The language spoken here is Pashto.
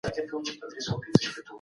تسلیمي حکمت دی.